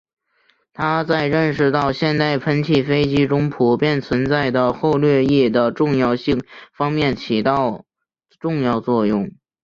他在认识到现代喷气飞机中普遍存在的后掠翼的重要性方面起到重要作用。